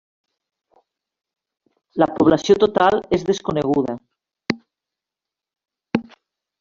La població total és desconeguda.